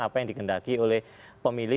apa yang dikendaki oleh pemilih